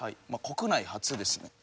国内初ですね。